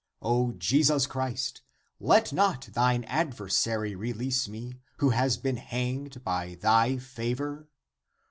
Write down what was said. O Jesus Christ, let not thine adversary release me, who has been hanged by thy favor!